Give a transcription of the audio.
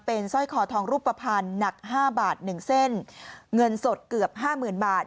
เป็นสร้อยคอทองรูปภัณฑ์หนักห้าบาทหนึ่งเส้นเงินสดเกือบห้าหมื่นบาท